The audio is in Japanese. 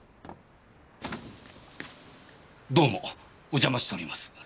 どうもお邪魔しております。